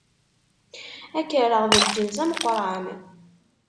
Ad k-rreɣ d lǧens ameqran.